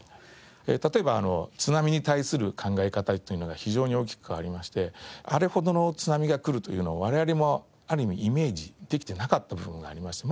例えば津波に対する考え方というのが非常に大きく変わりましてあれほどの津波がくるというのは我々もある意味イメージできてなかった部分がありました。